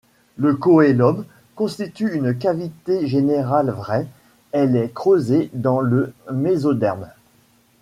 Le cœlome constitue une cavité générale vraie, elle est creusée dans le mésoderme.